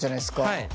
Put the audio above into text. はい。